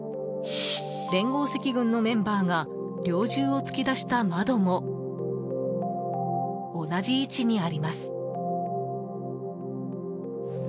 連合赤軍のメンバーが猟銃を突き出した窓も同じ位置にあります。